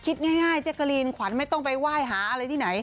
คิดง่ายแจ๊กกะลีนขวัญไม่ต้องไปไหว้หาอะไรที่ไหน